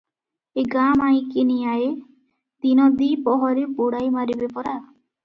ଏ ଗାଁ ମାଈକିନିଆଏ ଦିନ ଦିପହରେ ବୁଡ଼ାଇମାରିବେ ପରା ।